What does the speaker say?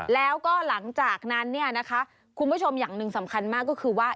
แล้วก็หลังจากนั้นเนี่ยนะคะคุณผู้ชมอย่างหนึ่งสำคัญมากก็คือว่า